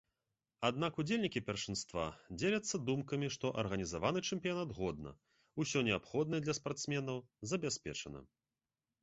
Аднак удзельнікі першынства дзеляцца думкамі, што арганізаваны чэмпіянат годна, усё неабходнае для спартсменаў забяспечана.